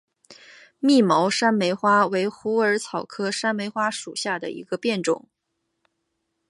密毛山梅花为虎耳草科山梅花属下的一个变种。